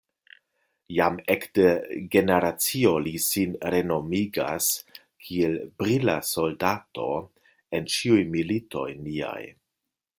Jam ekde generacio li sin renomigas kiel brila soldato en ĉiuj militoj niaj.